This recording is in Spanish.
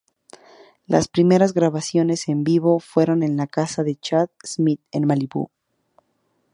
Las primeras grabaciones en vivo fueron en la casa de Chad Smith en Malibú.